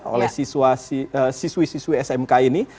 oleh siswi siswi smk ini